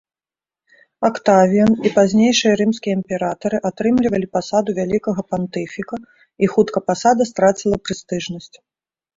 Актавіян і пазнейшыя рымскія імператары атрымлівалі пасаду вялікага пантыфіка, і хутка пасада страціла прэстыжнасць.